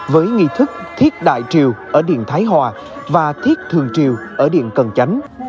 với nghi thức thiết đại triều ở điện thái hòa và thiết thường triều ở điện cần tránh